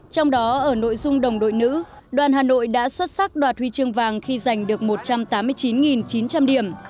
trong đó ở nội dung đồng đội nữ đoàn hà nội đã xuất sắc đoạt huy chương vàng khi giành được một trăm tám mươi chín chín trăm linh điểm